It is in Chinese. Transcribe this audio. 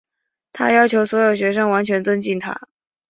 她要求所有学生完全尊敬她。